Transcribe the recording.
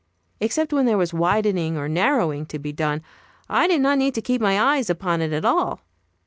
Except when there was "widening" or "narrowing" to be done, I did not need to keep my eyes upon it at all.